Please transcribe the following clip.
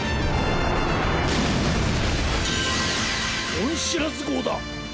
オンシラズごうだ！